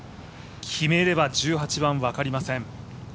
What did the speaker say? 決めれば１８番、分かりません。